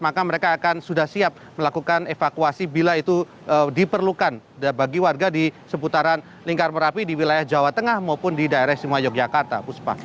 maka mereka akan sudah siap melakukan evakuasi bila itu diperlukan bagi warga di seputaran lingkar merapi di wilayah jawa tengah maupun di daerah istimewa yogyakarta